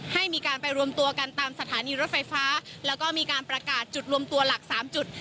ให้มีการไปรวมตัวกันตามสถานีรถไฟฟ้าแล้วก็มีการประกาศจุดรวมตัวหลัก๓จุด